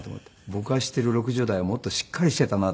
僕が知っている６０代はもっとしっかりしていたなっていう。